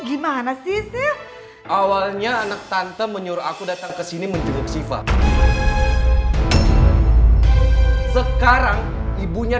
gimana sih awalnya anak tante menyuruh aku datang ke sini menjenguk siva sekarang ibunya